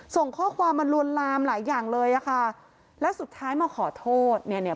ส่งข้อความมาลวนลามหลายอย่างเลยอ่ะค่ะแล้วสุดท้ายมาขอโทษเนี่ยเนี่ย